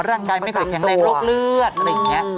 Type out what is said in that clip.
ร่างกายไม่ค่อยแข็งแรงโรคเลือดอะไรอย่างนี้